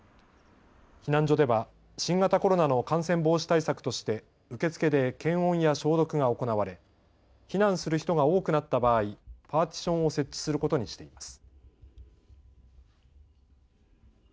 避難所では新型コロナの感染防止対策として受付で検温や消毒が行われ避難する人が多くなった場合パーティションを設置することにしています。